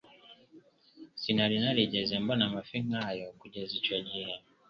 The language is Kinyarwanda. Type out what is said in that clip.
Sinari narigeze mbona amafi nk'ayo kugeza icyo gihe.